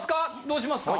どうしますか？